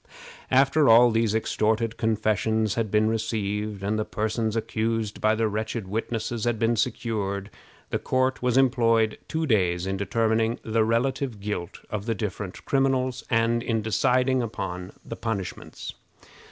After all these extorted confessions had been received, and the persons accused by the wretched witnesses had been secured, the court was employed two days in determining the relative guilt of the different criminals, and in deciding upon the punishments.